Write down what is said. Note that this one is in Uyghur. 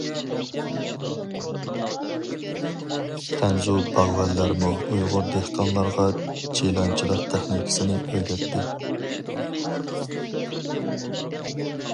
خەنزۇ باغۋەنلەرمۇ ئۇيغۇر دېھقانلارغا چىلانچىلىق تېخنىكىسىنى ئۆگەتتى.